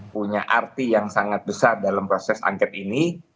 punya arti yang sangat besar dalam proses angket ini